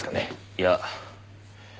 いや。